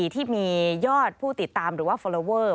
ที่มียอดผู้ติดตามหรือว่าฟอลลอเวอร์